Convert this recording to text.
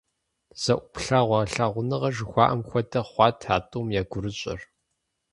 Зэ ӏуплъэгъуэ лъагъуныгъэ жыхуаӏэм хуэдэ хъуат а тӏум я гурыщӏэр.